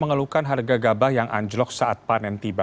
mengeluhkan harga gabah yang anjlok saat panen tiba